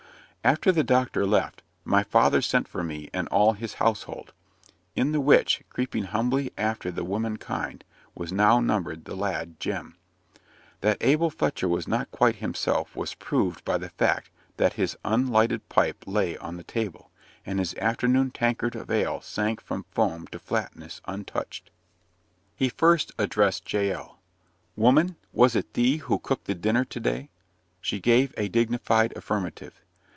After the doctor left, my father sent for me and all his household: in the which, creeping humbly after the woman kind, was now numbered the lad Jem. That Abel Fletcher was not quite himself was proved by the fact that his unlighted pipe lay on the table, and his afternoon tankard of ale sank from foam to flatness untouched. He first addressed Jael. "Woman, was it thee who cooked the dinner to day?" She gave a dignified affirmative.